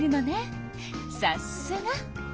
さすが！